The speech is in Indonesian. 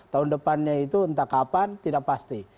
tahun depannya itu entah kapan tidak pasti